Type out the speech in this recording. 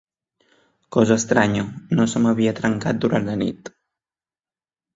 Cosa estranya, no se m'havia trencat durant la nit.